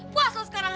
puas lo sekarang